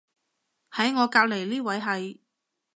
喺我隔離呢位係